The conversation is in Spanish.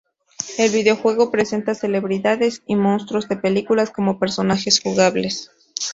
El videojuego presenta celebridades y monstruos de películas como personajes jugables.